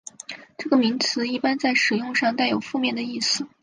这个名词一般在使用上带有负面的意思。